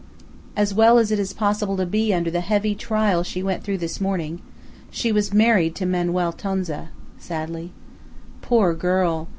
"As well as it is possible to be under the heavy trial she went through this morning. She was married to Manuel Tonza," sadly. "Poor girl!